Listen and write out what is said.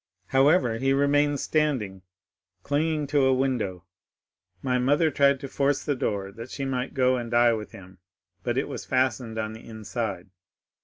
However, he remained standing, clinging to a window. My mother tried to force the door, that she might go and die with him, but it was fastened on the inside.